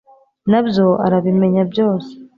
Na byo arabimenya byose